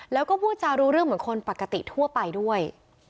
แล้วก็พูดจารู้เรื่องเหมือนคนปกติทั่วไปด้วย